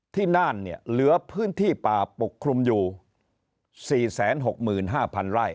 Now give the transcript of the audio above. น่านเนี่ยเหลือพื้นที่ป่าปกคลุมอยู่๔๖๕๐๐ไร่